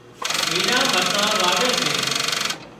نيلان مرسان واوي سي